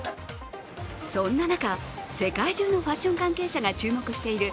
そんな中、世界中のファッション関係者が注目している